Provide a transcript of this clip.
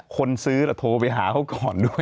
คนซื้อโทรไปหาเขาก่อนด้วย